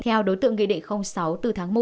theo đối tượng nghị định sáu từ tháng một